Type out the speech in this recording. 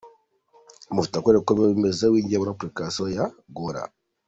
Amafoto akwereka uko biba bimeze iyo winjiye muri Application ya Goora.